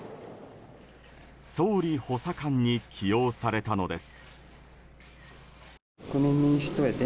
総理補佐官に起用されたのです。